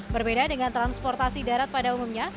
berbeda dengan transportasi darat pada umumnya